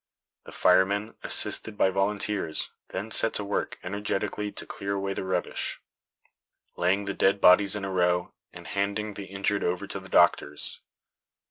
The firemen, assisted by volunteers, then set to work energetically to clear away the rubbish, laying the dead bodies in a row, and handing the injured over to the doctors.